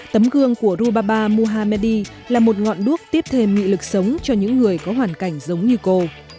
tấm gương của rubaba mohamedi là một ngọn đuốc tiếp thêm nghị lực sống cho những người có hoàn cảnh giống như cô